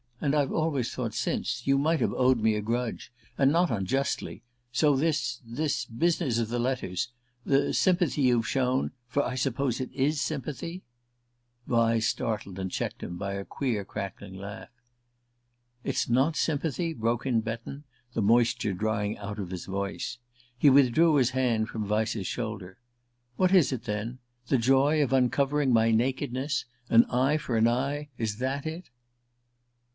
And I've always thought since you might have owed me a grudge and not unjustly; so this ... this business of the letters ... the sympathy you've shown ... for I suppose it is sympathy ...?" Vyse startled and checked him by a queer crackling laugh. "It's not sympathy?" broke in Betton, the moisture drying out of his voice. He withdrew his hand from Vyse's shoulder. "What is it, then? The joy of uncovering my nakedness? An eye for an eye? Is it _that?